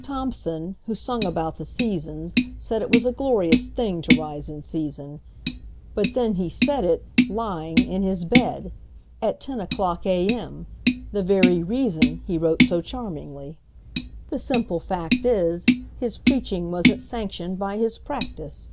Thomson, who sung about the "Seasons," saidIt was a glorious thing to rise in season; But then he said it—lying—in his bed, At ten o'clock A.M.,—the very reasonHe wrote so charmingly. The simple fact is, His preaching was n't sanctioned by his practice.